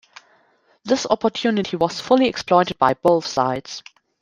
This opportunity was fully exploited by both sides.